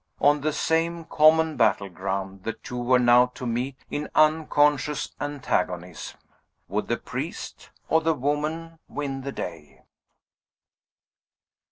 On the same common battle ground the two were now to meet in unconscious antagonism. Would the priest or the woman win the day?